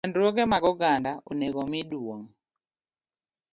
Chandruoge mag oganda onego omi duong`.